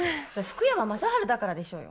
福山雅治だからでしょうよ。